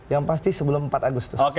yang pasti sebelum empat agustus